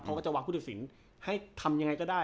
เขาก็จะวางผู้ตัดสินให้ทำยังไงก็ได้